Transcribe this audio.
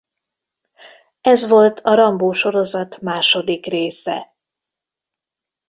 Ez volt a Rambo-sorozat második része.